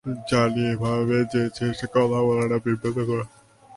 জানি, এভাবে যেচে এসে কথা বলাটা বিব্রতকর!